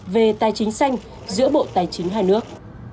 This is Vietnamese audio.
về tài chính xanh giữa bộ tài chính hai nước